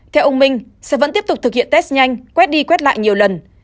theo ông minh sẽ vẫn tiếp tục thực hiện test nhanh quét đi quét lại nhiều lần